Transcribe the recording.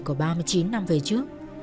của ba mươi chín năm về trước